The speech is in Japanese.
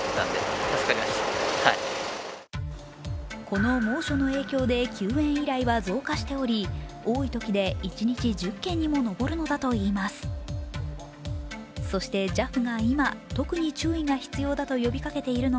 この猛暑の影響で救援依頼は増加しており、多いときで一日１０件にも上るのだといいます。